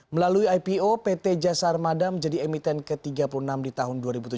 melalui ipo pt jasa armada menjadi emiten ke tiga puluh enam di tahun dua ribu tujuh belas